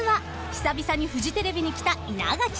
［久々にフジテレビに来た稲垣さん］